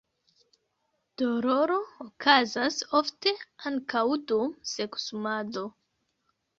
Doloro okazas ofte ankaŭ dum seksumado.